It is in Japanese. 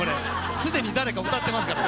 すでに誰か歌ってますから。